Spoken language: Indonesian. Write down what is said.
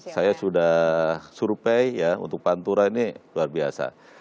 saya sudah survei ya untuk pantura ini luar biasa